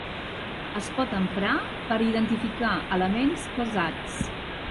Es pot emprar per identificar elements pesats.